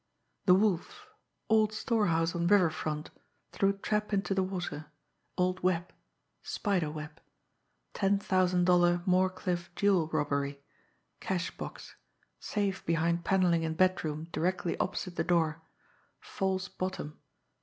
"... The Wolf ... old storehouse on river front ... through trap into the water ... old Webb ... Spider Webb ... ten thousand dollar Moorcliffe jewel robbery ... cash box ... safe behind panelling in bedroom directly opposite the door ... false bottom